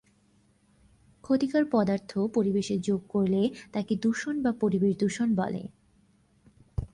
ক্ষতিকর পদার্থ পরিবেশে যোগ করলে তাকে দূষণ বা পরিবেশ দূষণ বলে।